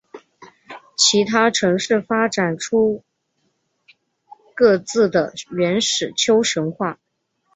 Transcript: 其他城市发展出各自的原始丘神话。